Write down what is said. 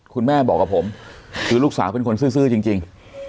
คุณแม่บอกกับผมคือลูกสาวเป็นคนซื้อจริง